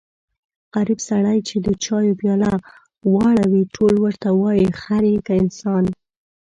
غریب سړی چې د چایو پیاله واړوي ټول ورته وایي خر يې که انسان.